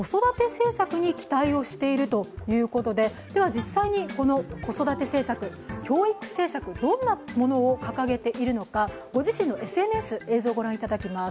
実際にこの子育て政策、教育政策、どんなものを掲げているのかご自身のＳＮＳ映像をご覧いただきます。